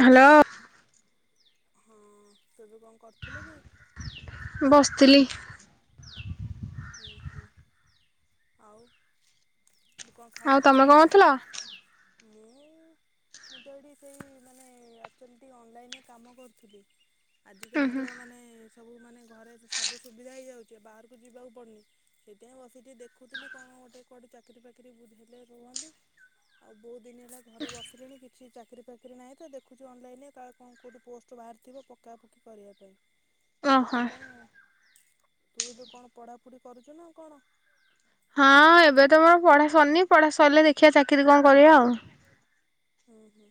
Hello ହଁ ଏବେ କଣ କରୁଥିଲୁ କି? ବସଥିଲି। ହୁଁ ହୁଁ ଆଉ। ଆଉ ତମେ କଣ କରୁଥିଲ? ମୁଁ ମୁଁ ତ ଏଇଠି ସେଇ ମାନେ ଆକ୍ଚୁଆଲି ଟିକିେ ଅନଲାଇନରେ କାମ କରୁଥିଲି। ଆଜିକାଲି ତ ମାନେ ଏ ସବୁ ମାନେ ଘରେ ସବୁ ସୁବିଧା ହେଇଯାଉଛି ବାହାରକୁ ଯିବାକୁ ପ ପଡ଼ନି ସେଥିପଁ ବସିିକିଏ ଦେଖୁଥିଲି କଣ ଗୋଟେ କୁଆଡ଼େ ଚାକିରି ଫକିରି ବ ହେଲେ ରୁହନ୍ତି ଆଉ ବହୁତ ଦିନିଆଟା ଘରେ ବସିଲେଣି କିଛି କିଛି ଚାକିରି ଫାକିରି ନାହିଁ ତ ଦେଖୁଛୁ ଅନଲାଇନ୍ରେ କଣ କେଉଁଠି ପୋଷ୍ଟ ବାହାରିଥିବ ପକାପକି କରିବା ପାଇଁ। ସେଥିପାଇଁ ଆଉ ତୁ ଏବେ କଣଢା ପାପୁଡି କରୁଛୁ ନାଉ କଣ? ହଁ ଏବେ ତ ମୋର ପଢା ସରିନି ପଢା ସରିଲେ ଦେଖିବା ଚାକିରି କଣ କରିବା ଆଉ। ହୁଁ ହୁଁ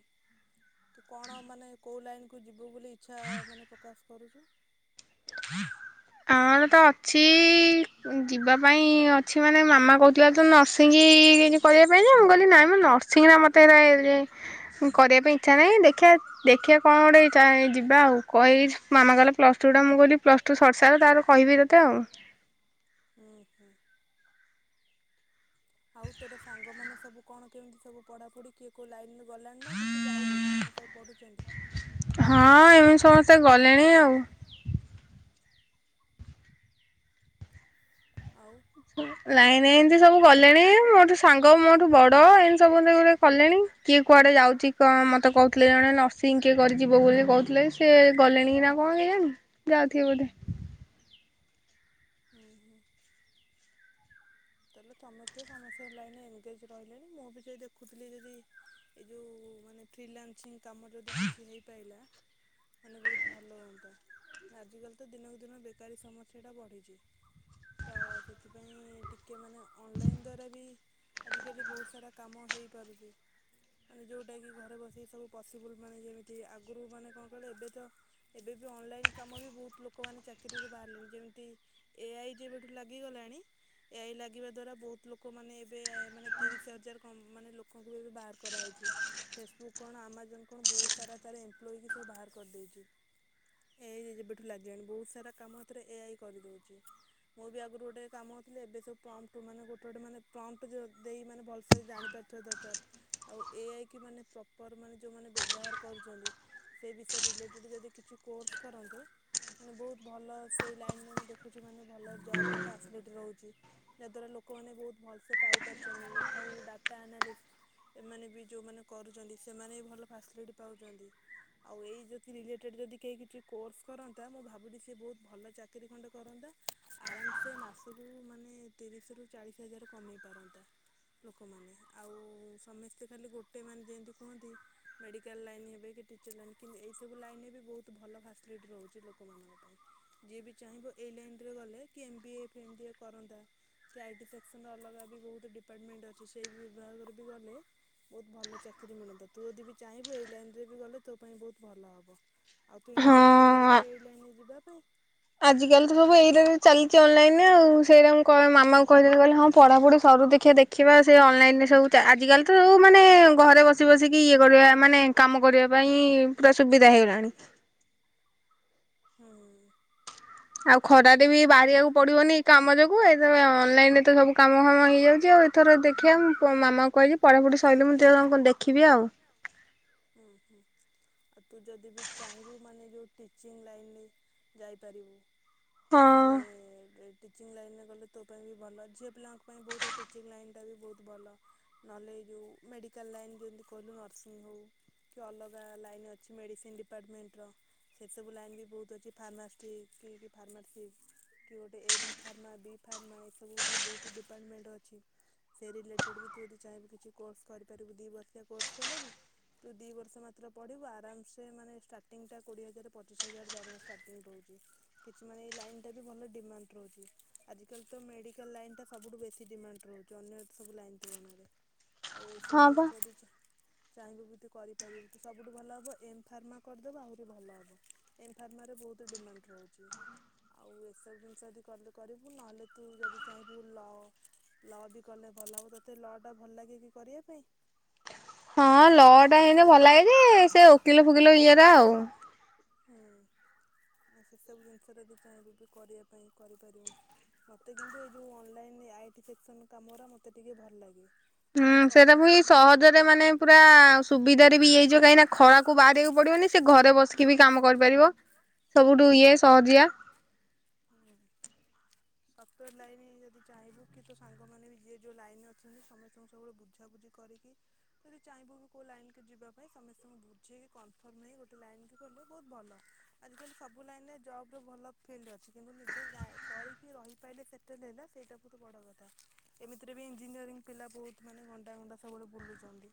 ତୁ କଣ ମାନେ କଉ ଲାଇନକୁ ଯିବ। ବୋଲି ଇଚ୍ଛା ମାନେ ପ୍ରକାଶ କରୁଛୁ। ଆମର ତ ଅଛି ଯିବା ପାଇଁ ଅଛି ମାନେ ମାମା କହୁିବ ତ ନର୍ସିଂ କରିବା ପାଇଁ ଯ ମୁଁ କହିଲି ନାଇଁ ମୁଁ ନର୍ସିଂ ମତେ କରିବା ପାଇଁ ଇଚ୍ଛା ନାହିଁ। ଦେଖିବା ଦେଖିବା କଣ ଗୋଟେ ଯିବା ଆଉ କ କହି ମାମା କଲେ ପ୍ଲସ୍ ଟୁ ଟା ମୁଁ କହିବି। ପ୍ଲସ ଟୁ ସରିସାରିଲେ ତାର କହିବି ତତେ ଆଉ। ଆଉ ତୋର ସାଙ୍ଗମାନୋନ ସବୁ କଣ କେମିତି ସୁଢାପଢି କିଏ କୋଉ ଲାଇନ ହଁ ଏମିତି ସମସ୍ତେ ଗଲେଣି ଆଉ। ଆଉ ନାଇଁ ନାଇଁ ଏମତି ସବୁ କଲେଣି ମୋଠୁ ସାଙ୍ଗ ମୋଠୁ ବଡ ଏମିତି ସବୁ ଗୋଟେ କଲେଣି କିଏ କୁଆଡ଼େ ଯାଉଛି କଣ ମୋତେ କହୁଥିଲେ ଜଣେ ନର୍ସିଂ କିଏ କରିଯିବ ବୋଲି କହୁଥିଲେ ସିଏ ଗଲେଣି କି ନା କଣ ହେଇଣି ଯାଉଥିବେ ବୋଧେ ହୁ ହୁଁ ତାହେଲେ ତେସ୍ତେ ସମସ୍ତେ ଲାଇନ୍ରେ ଏନଗେଜ ରହିଲେଣି ମୁଁ ବି ଯଦ ଦେଖୁଥିଲି ଯଦି ଏଇ ଯେଉଁ ମାନେ ଫ୍ରିଲାନ୍ସିଂ କାମ ଯଦି କିଛି ହୋଇପାରିଲ ମାନେ ବହୁତ ଭଲ ହୁଅନ୍ତା ଆଜିକାଲି ତ ଦିନକୁ ଦିନ ବେକାରୀ ସମସ୍ୟାଟା ବଢ଼ିଛି ତ ସେଥିପାଇଁ ିକେ ମାନେ ଅନଲାଇନ୍ ଦ୍୍ୱାରା ବି ଆଜିକାଲି ବହୁତ ସାରା କାମ ହେଇପାରୁଛି ମାନେ ଯେଉଁଟାକି ଘରେ ବସିକି ସବୁ ପସିବୁଲ୍ ମାନେ ଯେମିତି ଆଗରୁ ମାନେ କଣ କହିଲେ ଏବେ ତ ଏବେ ବି ଅନଲାଇନ୍ କାମ ବି ବହୁତ ଲୋକମାନେ ଚାକିରିରୁ ବାହାରିଲେଣି ଯେମିତି ଏଆଇ ଯେବେଠୁ ଲାଗିଗଲାଣି। ଏଆଇ ଲାଗିବା ଦ୍୍ୱାରା ବହୁତ ଲୋକମାନୋନେ ଏବେ ମାନେ ତିରିଶ ହଜାର ମାନେ ଲୋକଙ୍କୁ ବି ଏବେ ବାହାର କରାହେଇଛି ଫେସବୁକ୍ କଣ ଆମାଜନ୍ କଣ ବହୁତ ସାରା ତର ଏମ୍ପ୍ଲୋୋଇ କି ସବୁ ବାହାର କରିଦେଇଛି ଏଆଇ ଯେବେଠୁ ଲାଗିଲୋଣି ବହୁତ ସାରା କାମ ଏଥିରେ ଏଆଇ କରିଦେଉଛି ମୁଁ ବି ଆଗରୁ ଗୋଟେ କାମ ଲେ ଏବେ ସବୁ ପ୍ରମ୍ପଟ ମାନେ ଗୋଟେ ଗୋଟେ ମାନେ ପ୍ରମ୍ପ୍ ଦେଇ ମାନେ ଭଲସେ ଜାଣିପାରୁଥିବା ଦରକାର ଆଉ ଏଆଇ କି ମାନେ ପ୍ରପର୍ ମାନେ ଯେଉଁମାନେ ବ୍ୟବହାର କରୁଛନ୍ତି ସେ ବିଷୟରେ ରିଲେଟେଡ଼୍ ଯଦି କିଛି କୋର୍ସ କରନ୍ତେ ମାନେ ବହୁତ ଭଲ ସେଇ ଲାଇନ୍ରେ ମୁଁ ଦେଖୁଛି ମାନେ ଭଲ ଜବ୍ର ଫ୍ୟାସିଲିଟି ରହୁଛି। ଯାହାଦ୍ୱାରା ଲୋକମାନେ ବହୁତ ଭଲସେ ପାଇପାରୁଛନ୍ତି ଆଉ ଡାଟା ଆନାଲିସ୍ ଏମାନେ ବି ଯେଉଁମାନେ କରୁଛନ୍ତି ସେମାନେ ବି ଭଲ ଫାସିଲିଟି ପାଉଛନ୍ତି ଆଉ ଏଇ ଯଉି ରିଲେଟେଡ଼୍ ଯଦି କେହି କିଛି କୋର୍ସ କରନ୍ତା ମୁଁ ଭାବୁିଲି ସେି ବହୁତ ଭଲ ଚାକିରୀ ଖଣ୍ଡେ କରନ୍ତା ଆରାମସେ ମାସକୁ ସବୁ ମାନେ ତିରିଶ ରରୁ ଚାଳିଶ ହଜାର କମେଇ ପାରନ୍ତା ଲୋକମାନେ ଆଉ ସମସ୍ତେ ଖାଲି ଗୋଟେ ମେ ଯେମିତି କୁହନ୍ତି ମେଡ଼ିକାଲ ଲାଇନ୍ ହେବେ କି ଟିଚର୍ ଲାଇନ୍ କିନ୍ତୁ ଏଇସବୁ ଲାଇନେ ବି ବହୁତ ଭଲ ଫାସିଲିଟି ରହୁଛି ଲୋକମାନଙ୍କ ପାଇଁ ଯିଏ ବି ଚାହିଁବ ଏଇ ଲାଇନ୍ରେ ଗଲେ କି ଏମ୍ ବି ଏ ମିତିଏ କରନ୍ତା କି ଆଇଟି ସେକ୍ସନର ଅଲଗା ବି ବହୁତ ଡିପାର୍ଟମେଣ୍ଟ ଅଛି ସେଇ ବିଭାଗରେ ବି ଗଲେ ବହୁତ ଭଲ ଚାକିରରି ମିଳନ୍ତା ତୁ ଯଦି ବି ଚାହିଁବୁ ଏଇ ଲାଇନ୍ରେ ବି ଗଲେ ତୋ ପାଇଁ ବହୁତ ଭଲ ହେବ ଆଉ ତୁ ଇଣ୍ଟରେଷ୍ଟେଡ ଅୁ ଏଇ ଲାଇନ ରେ ଯିବା ପାଇଁ ଆଜିକାଲି ତ ସବୁ ଏଇରେରେ ଚାଲି ଅନଲାଇନରେ ଆଉ ସେଇଟା ମୁ ମାମାଙ୍କୁ କହି କହିଲେ ହଁ ପଢାପଢି ସରୁ ଦେଖିବା ଦେଖିବା ସେ ଅନଲାଇନ ରେ ସବୁ ଆଜିକାଲି ତ ସବୁ ମାନେ ଘରେ ବସି ବସିକି ଇଏ କରିବା ମାନେ କାମ କରିବା ପାଇଁ ପୁରା ସୁବିଧା ହେଇଗଲାଣି ହଁ ଆଉ ଖରାାରେ ବି ବାହାରିବାକୁ ପଡିବନି କାମ ଯୋଗୁ ଏ ଅନଲାଇନ ରେ ତ ସବୁ କାମ ଫାମ ହେଇଯାଉଛି ଆଉ ଏଥର ଦେଖିବା ମାମା କୁଛି ପଢାପଢି ସରିଲ ମୁଁଣ ଦେଖିବି ଆଉ ଆଉ ତୁ ଯଦି ବି ଚାହିଁବୁ ମାନେ ଯେଉଁ ଟିଚିଂ ଲାଇନ୍ରେ ଯାଇପାରିବୁ ମାନେ ଟିଚିଂ ଲାଇନ୍ରେ ଗଲେ ତୋ ପାଇଁ ବି ଭଲ ଝିଅ ପିଲାଙ୍କ ପାଇଁ ବହୁତ ଟିଚିଙ୍ଗ ଲାଇନ୍ଟା ବି ବହୁତ ଭଲ ନହଲେଜଉ ମେଡ଼ିକାଲ ଲାଇନ୍ ଯେମିତି କହିଲୁ ନର୍ସିଂ ହେଉ କି ଅଲଗା ଲାଇନ୍ ଅଛି ମେଡ଼ିସିନ ଡିପାର୍ଟମେଣ୍ଟର ସେସବୁ ଲାଇନ୍ ବି ବହୁତ ଅଛି ଫାର୍ମାସି କି ଫାର୍ମାସି କି ଗୋଟେ ଏମ୍ ଫାର୍ମା ବି ଫାର୍ମା ଏସବୁ ବି ବହୁତ ଡିପାର୍ଟମେଣ୍ଟ ଅଛି ସେ ରିଲେଟେଡ଼୍ ବି ତୁ ଯଦି ଚାହିଁବୁ କିଛି କୋର୍ସ କରିପାରିବୁ ଦୁଇ ବର୍ଷିଆ କୋର୍ସ କଲେ ବି ତୁ ଦୁଇ ବର୍ଷ ମାତ୍ର ପଢ଼ିବୁ ଆରାମସେ ମାନେ ଷ୍ଟାର୍ଟିଂଟା କୋଡ଼ିଏ ହଜାର ପଚିଶ ହଜାର ଦରମା ଷ୍ଟାର୍ଟିଙ୍ଗ ରହୁଛି କିଛି ମାନେ ଏଇ ଲାଇନ୍ଟା ବି ଭଲ ଡିମାଣ୍ଡ ରହୁଛି ଆଜିକାଲି ତ ମେଡ଼ିକାଲ ଲାଇନ୍ଟା ସବୁଠୁ ବେଶୀ ଡିମାଣ୍ଡ ରହୁଛି ଅନ୍ୟ ସବୁ ଲାଇନ୍ ତୁଳନାରେ ଆଉ ଏଇସବୁ ଜିନିଷ ବି ଚାହିଁବୁ ବି ତ କରିପାରିବୁ ତ ସବୁଠୁ ଭଲ ହବ ଏମ ଫାର୍ମା କରିଦେବୁକଆହୁରି ଭଲ ହବ ଏମ ଫାର୍ମରେ ବହୁତ ଡିମାଣ୍ଡ ରହୁଛି। ଆଉ ଏସବୁ ଜିନିଷ ଯଦି କଲେ କରିବୁ ନହେଲେ ତୁ ଯଦି ଚାହିଁବୁ ଲ ଲ ବି କଲେ ଭଲ ହବ ତୋତେ ଲ ଟା ଭଲ ଲାଗେ କି କରିବା ପାଇଁ? ହଁ ଲ ଟା ହେମତି ଭଲ ଲାଗେ ସେ ଓକିଲ ଫକିଲ ଇଏ ଟା ଆଉ। ହୁଁ ସେସବୁ ଜିନିଷରେ ବି ଚାହିଁବୁ ବି କରିବା ପାଇଁ କରିପାରିବୁ ମତେ କିନ୍ତୁ ଏ ଯୋଉ ଅନଲାଇନ ଅଇଟି ସେକ୍ସନ କାମ ଗୁରା ମତେ ଟିକେ ଭଲ ଲାଗେ। ହୁଁ ସେଟା ପୁଣି ସହଜରେ ମାନେ ପୁରା ସୁବିଧା ବି ଇଏ ହେଇଯିବ କାହିଁନା ଖରାକୁ ବାହାରିବାକୁ ପଡିବନି ସେ ଘରେ ବସିକି ବି କାମ କରିପାରିବ ସବୁଠୁ ଇଏ ସହଜିଆ। ହୁଁ ସଫ୍ଟଓୟାର ଲାଇନ ଯଦି ଚାହିଁବୁ କି ତୋ ସାଙ୍ଗମାନେ ବି ଯିଏ ଯୋଉ ଲାଇନ ଅଛନ୍ତି ସମସ୍ତଙ୍କୁ ସବୁବେଳେ ବୁଝାବୁଝି କରିକି ଯଦି ଚାହିଁବୁ ବି କୋଉ ଲାଇନକୁ ଯିବା ପାଇଁ ସମସ୍ତଙ୍କୁ ବୁଝେଇକି କନଫର୍ମ ହେଇ ଗୋଟେ ଲାଇନ କି ଗଲେେ ବହୁତ ଭଲ ଆଜିକାଲି ସବୁ ଲାଇନରେ ଜବ ର ଭଲ ଫିଲ୍ଡ ଅଛି। କିନ୍ତୁ ନିଜେ ଯା କରିକି ରହିପାରିଲେ ସେ ହେଲା ସେଇଟା ବହୁତ ବଡ଼ କଥା ଏମିତିରେ ବି ଇଞ୍ଜିନିୟରିଂ ପିଲା ବହୁତ ମାନେ ଗଣ୍ଡା ଗଣ୍ଡା ସବୁବେଳେ ବୁଲୁଛନ୍ତି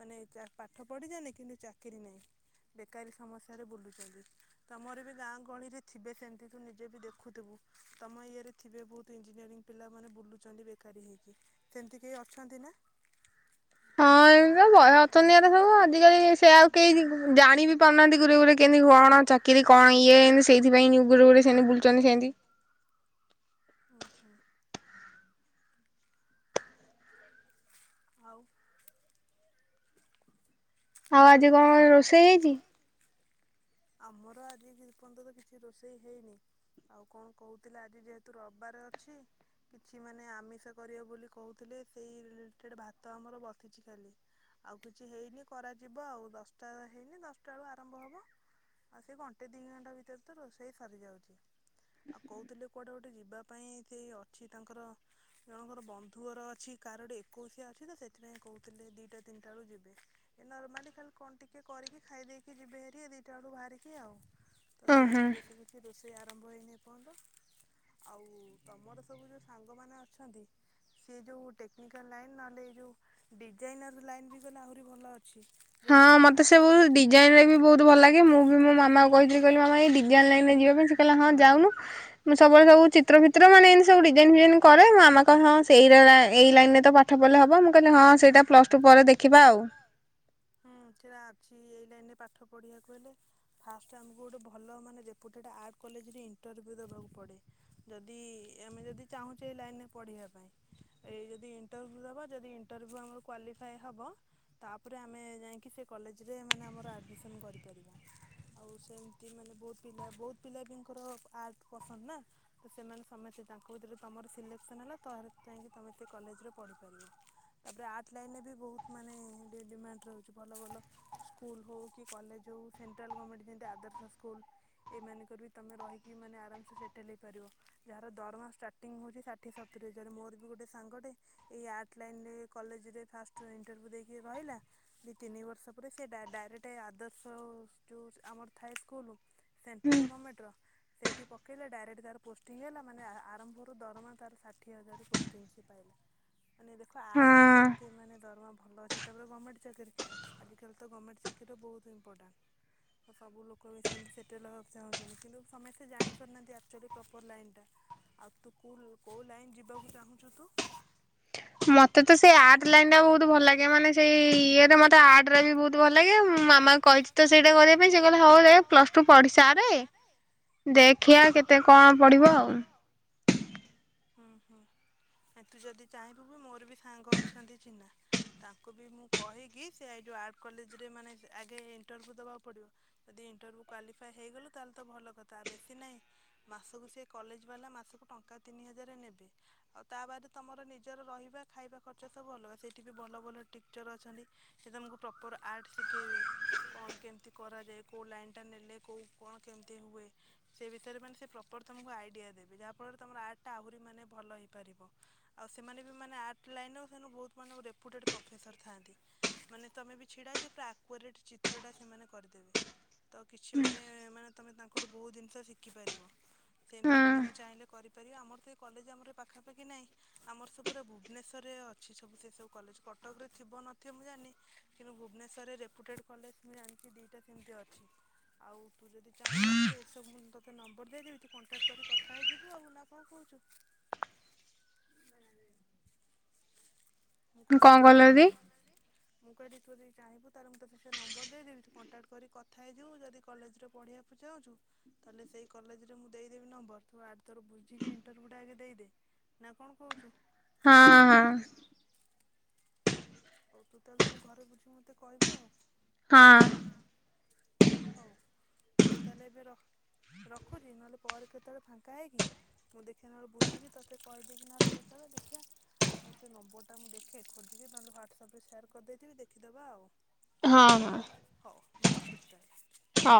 ମାନେ ପାଠ ପଢ଼ିଯାାନି କିନ୍ତୁ ଚାକିରରି ନାହିଁ ବେକାରୀ ସମସ୍ୟାରେ ବୁଲୁଛନ୍ତି ତମର ଏବେ ଗାଁ ଗହଳିରେ ଥିବେ ସେମିତି ତୁ ବି ଦେଖୁଥିବୁ ତମ ଇଏରେ ଥିବେ ବହୁତ ଇଞ୍ଜିନିୟରିଂ ପିଲାମାନେ ବୁଲୁଛନ୍ତି ବେକାରୀ ହେଇକି ସେମିତି କେହି ଅଛନ୍ତି ନା? ହଁ ଏମିତି ତ ବହେ ଅଛନ୍ତି ଏଗୁରା ସବୁ ଆଜିକାଲି ସେ ଆଉ କେହି ଜାଣି ବି ପାରୁନାହାନ୍ତି ଗୁରେ ଗୁରେ କେମତି କଣ ଚାକିରି କଣ ଇଏ ଏମତି ସେଇଥିପାଇଁ ଗୁଡି ଗୁଡି ସେମିତି ବୁଲୁଛନ୍ତି ସେମିତି। ଓହୋ। ଆଉ। ଆଉ ଆଜି କଣ ରୋଷେଇ ହେଇଛି? ଆମର ଆଜି ଏ ପର୍ଯ୍ୟନ୍ତ ତ କିଛି ରୋଷେଇ ହେଇନି ଆଉ କଣ କହୁଥିଲେ ଆଜି ଯେହେତୁ ରବିବାର ଅଛି କିଛି ମାନେ ଆମିଷ କରିବେ ବୋଲି କହୁଥିଲେ ସେଇ ରିଲେଟେଡ ଭାତ ଆମର ବସିଛି ଖାଲି ଆଉ କିଛି ହେଇନି କରାଯିବ ଆଉ ଦଶଟା ହେଇନି ଦଶଟା ବେଳୁ ଆରମ୍ଭ ହବ। ଆଉ ସେ ଘଣ୍ଟେ ଦି ଘଣ୍ଟା ଭିତରେ ତ ରୋଷେଇ ସରି ଯାଉଛି ଆଉ କହୁଥିଲେ କୁଆଡେ ଗୋଟେ ଯିବା ପାଇଁ ସେ ଅଛି ତାଙ୍କର ଜଣଙ୍କର ବନ୍ଧୁଘର ଅଛି କାହାର ଗୋଟେ ଏକୋଇଶିଆ ଅଛି ତ ସେଥିପାଇଁ କହୁଥିଲେ ଦିଟା ତିନିଟା ବେଳୁ ଯିବେ ଏ ନର୍ମାଲି ଖାଲି କଣ ଟିକେ କରିକି ଖାଇ ଦେଇେକି ଯିବେ ହେରି ଚାରିଟା ବେଳୁ ବାହାରିକି ଆଉ। ତ ସେଥିପାଇଁ ବେଶୀ କିଛି ରୋଷ ଆରମ୍ଭ ହୋଇନି ଏପର୍ଯ୍ୟନ୍ତ ଆଉ ତମର ସବୁ ଯେଉଁ ସାଙ୍ଗମାନେ ଅଛନ୍ତି ସେ ଯେଉଁ ଟେକ୍ନିକାଲ୍ ଲାଇନ୍ ନହେଲେ ଏଇ ଯଉ ଡିଜାଇନର୍ ଲାଇନ୍ ବି ଗଲେ ଆହୁରି ଭଲ ଅଛି। ହଁ ମତେ ସବୁ ଡିଜାଇନ ରେ ବି ବହୁତ ଭଲ ଲାଗେ ମୁଁ ମୋ ମାମା କ କହିଥିଲି କହିଲି ମାମା ଏଇ ଡିଜାଇନ ଲାଇନ ରେ ଯିବା ପାଇଁ ସେ କହିଲା ହଁ ଯାଉନୁ ମୁଁ ସବୁ ସବୁ ଚିତ୍ରଫିତ୍ର ମାନେ ଏମିତି ସବୁ ଡିଜାଇନ ଫିଜାଇନ କରେ ମୋ ମାମା କହେ ହଁ ସେଇ ଏଇ ଲାଇନ ରେ ତ ପାଠ ପଢିଲେ ହବ ମୁଁ କହିଲି ହଁ। ସେଇଟା ପ୍ଲସ ଟୁ ପରେ ଦେଖିବା ଆଉ। ହୁଁ ସେଇଟା ଅଛି ଏଇ ଲାଇନରେ ପାଠ ପଢ଼ିବାକୁ ହେଲେ ଫାଷ୍ଟ ଆମକୁ ଗୋଟେ ଭଲ ମାନେ ରେପୁଟେଡ଼୍ ଆର୍ଟ କଲେଜରେ ଇଣ୍ଟରଭ୍ୟୁ ଦେବାକୁ ପଡ଼େ ଯଦି ଆମେ ଯଦି ଚାହୁଁଛେ ଏଇ ଲାଇନରେ ପଢ଼ିବା ପାଇଁ ଏଇ ଯଦି ଇଣ୍ଟରଭ୍ୟୁ ଦେବା ଯଦି ଇଣ୍ଟରଭ୍ୟୁ ଆମର କ୍ୱାଲିଫାଏ ହେବ ତାପରେ ଆମେ ଯାଇକି ସେ କଲେଜରେ ମାନେ ଆମର ଆଡ଼ମିସନ୍ କରିପାରିବୁ ଆଉ ସେମିତି ମାନେ ବହୁତ ପିଲା ବହୁତ ପିଲା ବିଙ୍କର ଆର୍ଟ ପସନ୍ଦ ନା ତ ସେମାନେ ସମସ୍ତେ ତାଙ୍କ ଭିତରେ ତୁମର ସିଲେକ୍ସନ୍ ହେଲା ତାେ ଯାଇକି ତମେ ସେ କଲେଜରେ ପଢ଼ିପାରିବ ତାପରେ ଆର୍ଟ ଲାଇନରେ ବି ବହୁତ ମାନେ ଡିମାଣ୍ଡ ରହୁଛି ଭଲ ଭଲ ସ୍କୁଲ ହେଉ କି କଲେଜ ହେଉ ସେଣ୍ଟ୍ରାଲ୍ ଗଭର୍ଣ୍ଣମେଣ୍ଟ ଯେମିତି ଆଦର୍ଶ ସ୍କୁଲ ଏମାନଙ୍କର ବି ତୁମେ ରହିକି ମାନେ ଆରାମସେ ସେଟେଲ ହେଇପାରିବ ଯାହାର ଦରମା ଷ୍ଟାର୍ଟିଙ୍ଗ ହେଉଛି ଷାଠିଏ ସତୁରି ହଜାର ମୋର ବି ଗୋଟେ ସାଙ୍ଗଟେ ଏଇ ଆର୍ଟ ଲାଇନରେ କଲେଜ ରେ ଫାଷ୍ଟ ଇଣ୍ଟରଭ୍ୟୁ ଦେଇକି ରହିଲା ଦୁଇ ତିନି ବର୍ଷ ପରେ ସେ ଡାଇରେକ୍ଟ ଆଦର୍ଶ ଆମର ଥାଏ ସ୍କୁଲ। ସେଣ୍ଟ୍ରାଲ ଗଭର୍ଣମେଣ୍ଟ ର ସେଇଠି ପକେଇଲେ ଡାଇରେକ୍ଟ ତାର ପୋଷ୍ଟିଂ ହେଲା ମାନେ ଆରମ୍ଭରୁ ଦରମା ତାର ଷାଠିଏ ହଜାର ପୋଷ୍ଟିଂ ସେ ପାଇଲା ମାନେ ଦେଖ ଆର୍ଟରେ ବି ଏତେ ମାନେ ଦରମା ଭଲ ଅଛି ତାପରେ ଗଭର୍ଣ୍ଣମେଣ୍ଟ ଚାକିରି ଆଜିକାଲି ତ ଗଭର୍ଣ୍ଣମେଣ୍ଟ ଚାକିରିର ବହୁତ ଇମ୍ପର୍ଟାଣ୍ଟ୍ ସବୁ ଲୋକ ବି ସେମିତି ସେଟେଲ ହେବାକୁ ଚାହୁଁଛନ୍ତି କିନ୍ତୁ ସମସ୍ତେ ଜାଣିପାରୁନାହାଁନ୍ତି ଆକଚୋଲି ପ୍ରପର ଲାଇନ୍ ଟା ଆଉ ତୁ କଉ କଉ ଲାଇନ୍ ଯିବାକୁ ଚାହୁଁଛୁ ତୁ? ମତେ ତ ସେଇ ଆର୍ଟ ଲାଇନ ଟା ବହୁତ ଭଲ ଲାଗେ ମାନେ ସେଇ ଇଏରେ ମତେ ଆର୍ଟ ଟା ବି ବହୁତ ଭଲ ଲାଗେ ମାମା କହିଛି ତ ସେଇଟା କରିବା ପାଇଁ ସେ କହିଲ ହଉ ପ୍ଲସ ଟୁ ପଢିସାରେ ଦେଖିବା କେତେ କଣ ପଢିବ ଆଉ। ହୁଁ ହୁଁ ତୁ ଯଦି ଚାହିଁବୁ ମୋର ବି ସାଙ୍ଗ ଅ ଅଛନ୍ତି ଚିହ୍ନା ତାଙ୍କୁ ବି ମୁଁ କହିକି ସେ ଏଇ ଯେଉଁ ଆର୍ଟ କଲେଜରେ ମାନେ ଆଗେ ଇଣ୍ଟରଭ୍ୟୁ ଦେବାକୁ ପଡ଼ିବ ଯଦି ଇଣ୍ଟରଭ୍ୟୁ କ୍ୱାଲିଫାଏ ହେଇଗଲୁ ତାହେଲେ ତ ଭଲ କଥା ବେଶୀ ନାହିଁ ମାସକୁ ସେ କଲେଜ ବାଲା ମାସକୁ ଟଙ୍କା ତିନି ହଜାର ନେବେ ଆଉ ତା ବାଦରେ ତମର ନିଜର ରହିବା ଖାଇବା ଖ ସବୁ ଅଲଗା ସେଇଠି ବି ଭଲ ଭଲ ଟିଚର୍ ଅଛନ୍ତି ସେ ତୁମକୁ ପ୍ରପର୍ ଆର୍ଟ ଶିଖେଇବେ କଣ କେମିତି କରାଯାଏ କେଉଁ ଲାଇନ୍ ଟା ନେଲେ କଉ କଣ କେମିତି ହୁଏ ସେ ବିଷୟରେ ମାନେ ସେ ପ୍ରପର୍ ତୁମକୁ ଆଇଡ଼ିଆ ଦେବେ ଯାହାଫଳରେ ତୁମର ଆର୍ଟଟା ଆହୁରି ମାନେ ଭଲ ହେଇପାରିବ ଆଉ ସେମାନେ ବି ମାନେ ଆର୍ଟ ଲାଇନ ବହୁତ ମନେ ରେପୁଟେଡ଼୍ ପ୍ରଫେସର ଥାଆନ୍ତି ମାନେ ତମେ ବି ଛିଡ଼ା ହୋଇଥିବା ପୁରା ଆକୁରେଟ୍ ଚିତ୍ରଟା ସେମାନେ କରିଦେବେ। ତ କିଛି ମାନେ ମାନେ ତୁମେ ତାଙ୍କଠୁ ବହୁତ ଜିନିଷ ଶିଖିପାରିବ ସେମିତି ବି ତୁମେ ଚାହିଁଲେ କରିପାରିବ ଆମର ତ ଏ କଲେଜ ଆମର ପାଖାପାଖି ନାହିଁ ଆମର ସବୁ ପୁରା ଭୁବନେଶ୍ୱରରେ ଅ ଅଛି ସବୁ ସେସବୁ କଲେଜ କଟକରେ ଥିବ ନଥିବ ମୁଁ ଜାଣି କିନ୍ତୁ ଭୁବନେଶ୍ୱରରେ ରେପୁଟେଡ଼୍ କଲେଜ ମୁଁ ଜାଣିଛି ଦୁଇଟା ସେମିତି ଅଛି ଆଉ ତୁ ଯଦି ଚାହିଁବୁ ମୁ ସେ ସବୁ ମୁଁ ତୋତେ ନମ୍ବର ଦିଆଯିବି ତୁ କଣ୍ଟାକ୍ଟ କରି କଥା ହେଇଯିବୁ ଆଉ ନା କଣ କହୁଛୁ? ମୁଙ୍କ ଯେହେତୁ କଣ୍ଟାକ୍ଟରେ ମୁଁ କହିଲି ତୁ ଯଦିହିଁବୁ ତାହେଲେ ମୁଁ ତୋତେ ସେ ନମ୍ବର ଦେଇଦେବିୁ କଣ୍ଟାକ୍ଟ କରି କଥା ହେଇଯିବୁ ଯଦି କଲେଜରେ ପଢ଼ିବାକୁ ଚାାଉଛୁ ତାହେଲେ ସେଇ କଲେଜରେ ମୁଁ ଦେଇଦେବି ନମ୍ବର ତୁ ଆଡ଼ଥୋର ବୁଝିକି ଇଣ୍ଟରଭ୍ୟୁଟା ଆଗେ ଦେଇଦେ ନା କଣ କହୁଛୁ? ହଁ ହଁ ହଉ ତୁ ତାହେଲେ ତମ ଘରେ ବୁଝିବି ମତେ କହିବୁ ଆଉ ହଁ ହଉ ମୁଁ ତାହେଲେ ଏବେ ରଖୁଛି ନହେଲେ ପରେ କେତେବେଳେ ଫାଙ୍କା ହେଇକି ମୁଁ ଦେଖିବା ନହେଲେ ବୁଝିକି ତୋତେ କହିଦେଇକି ନହେଲେ କେତେବେଳେ ଦେଖିବା ମୋ ସେ ନମ୍ବରଟା ମୁଁ ଦେଖେ ଖୋଜିକି ନହେଲେ ହ୍ୱଵାଟ୍ସଆପେ ସେୟାର କରିଦେଇଦେବି ଦେଖିଦେବା ଆଉ ହଁ ହଁ ମୁଳ ଖୁ ହଁ